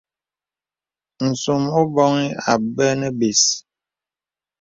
Nsòm o bɔ̄ŋi abɛ nə̀ bès.